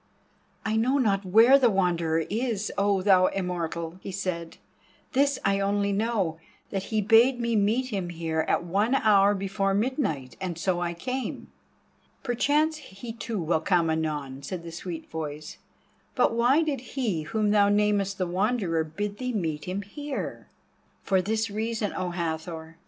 "I know not where the Wanderer is, O thou Immortal," he said. "This I know only, that he bade me meet him here at one hour before midnight, and so I came." "Perchance he too will come anon," said the sweet voice; "but why did he, whom thou namest the Wanderer, bid thee meet him here?" "For this reason, O Hathor.